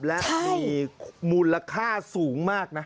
และมีมูลค่าสูงมากนะ